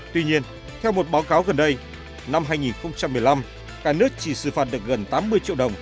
tuy nhiên theo một báo cáo gần đây năm hai nghìn một mươi năm cả nước chỉ xử phạt được gần tám mươi triệu đồng